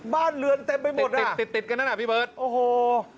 บ้านเรือนเต็มไปหมดเลยติดติดกันนั่นอ่ะพี่เบิร์ตโอ้โห